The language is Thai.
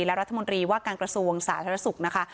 และรัฐมนตรีว่าการกระสูงศาสนสุขนะคะ